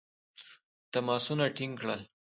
تماسونه ټینګ کړل.